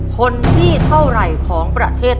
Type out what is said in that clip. คนที่เท่าไหร่ของประเทศ